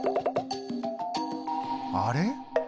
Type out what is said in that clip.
あれ？